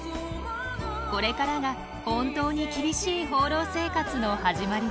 これからが本当に厳しい放浪生活の始まりです。